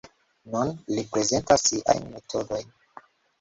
Nun li prezentas siajn metodojn.